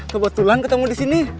kebetulan ketemu disini